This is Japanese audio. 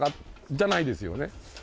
じゃないですよね。